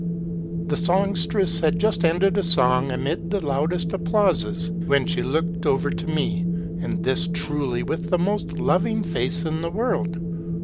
" The songstress had just ended a song amid the loudest applauses, when she looked over to me ; and this truly with the most loving face in the world.